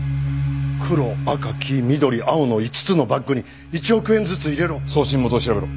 「黒赤黄緑青の５つのバッグに１億円ずつ入れろ」送信元を調べろ。